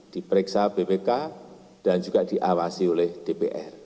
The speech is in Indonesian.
diperiksa bpk dan juga diawasi oleh dpr